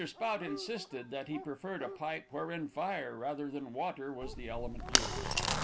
Spout insisted that he preferred a pipe wherein fire, rather than water, was the element used.